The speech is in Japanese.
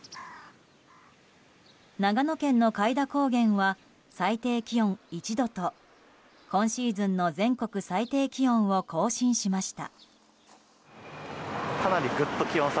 長野県の開田高原は最低気温１度と今シーズンの全国最低気温を更新しました。